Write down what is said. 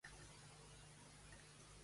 Qui va accedir al tron, llavors?